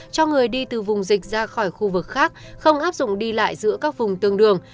cho người đi từ vùng dịch ra khỏi khu vực khác không áp dụng đi lại giữa các vùng tương đường